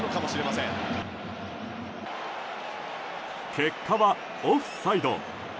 結果は、オフサイド。